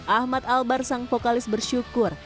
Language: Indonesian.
ahmad albar sang vokalis bersyukur